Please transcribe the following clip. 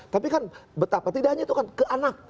tapi kan betapa tidaknya itu kan ke anak